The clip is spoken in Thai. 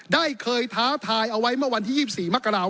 ได้เคยท้าทายเอาไว้เมื่อวันที่๒๔มกราว